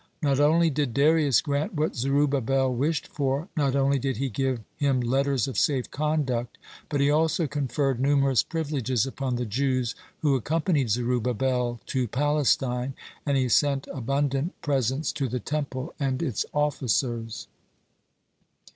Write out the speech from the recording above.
Not only did Darius grant what Zerubbabel wished for, not only did he give him letters of safe conduct, but he also conferred numerous privileges upon the Jews who accompanied Zerubbabel to Palestine, and he sent abundant presents to the Temple and its officers.